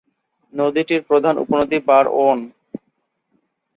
নদীটির প্রধান উপনদী বারওয়ন।